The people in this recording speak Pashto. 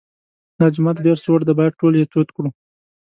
دا جومات ډېر سوړ دی باید ټول یې تود کړو.